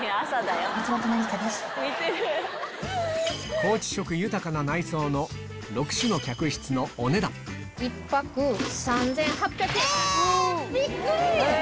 高知色豊かな内装の６種の客室のお値段びっくり！